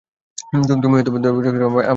তুমি দৈবশক্তিতে আমাকে নিশ্চিহ্ন করে দেবে?